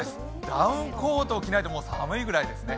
ダウンコートを着ないともう寒いぐらいですね